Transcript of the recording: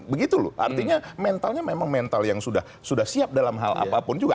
begitu loh artinya mentalnya memang mental yang sudah siap dalam hal apapun juga